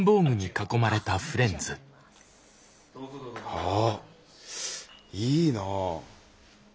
あっいいなぁ。